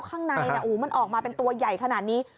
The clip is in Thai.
ข้างในมันออกมาเป็นตัวใหญ่ขนาดนี้